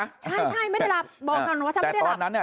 ใช่ไม่ได้หลับบอกมาว่าฉันไม่ได้หลับ